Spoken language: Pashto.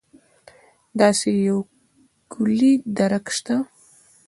داسې یو کُلي درک شته.